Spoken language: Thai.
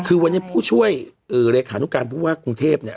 คือวันนี้ผู้ช่วยเลขานุการผู้ว่ากรุงเทพเนี่ย